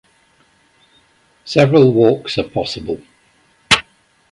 Several walks are possible.